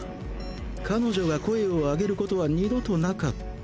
彼女が声を上げることは二度となかった！